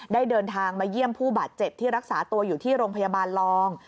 เดินทางมาเยี่ยมผู้บาดเจ็บที่รักษาตัวอยู่ที่โรงพยาบาลรอง